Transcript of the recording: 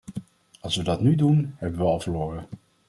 Als we dat nu doen, hebben we al verloren.